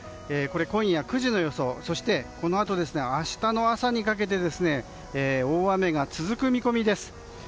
今夜９時、そしてそのあと明日の朝にかけて大雨が続く見込みです。